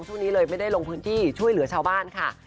ช่วงนี้เลยไม่ได้ลงพื้นที่ช่วยเหลือชาวบ้านค่ะ